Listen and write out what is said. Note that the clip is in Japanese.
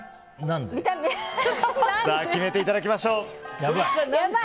決めていただきましょう。